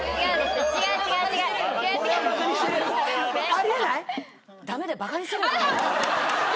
あり得ない？